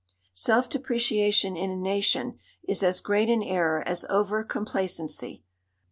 Self depreciation in a nation is as great an error as over complacency.